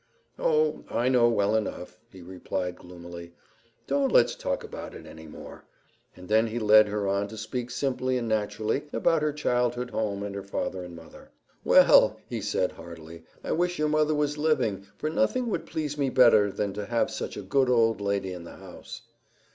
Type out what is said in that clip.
"Oh! I know well enough," he replied gloomily. "Don't let's talk about it any more," and then he led her on to speak simply and naturally about her childhood home and her father and mother. "Well," he said heartily, "I wish your mother was living for nothing would please me better than to have such a good old lady in the house."